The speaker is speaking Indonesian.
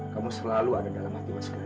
kamu selalu ada dalam hati mas kalian